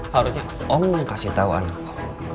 harusnya omong kasih tau anak lo